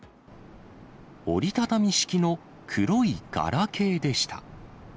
折り畳み式の黒いガラケーでした。